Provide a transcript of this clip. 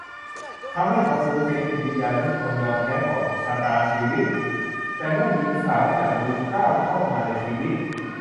ทำให้เขาสูญเสียจิตวิญญาณและเป็นคนยอมแพ้ต่อชะตาชีวิต แต่เมื่อหญิงสาวอย่าง ลู ก้าวเข้ามาในชีวิต